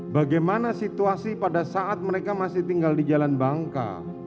bagaimana situasi pada saat mereka masih tinggal di jalan bangka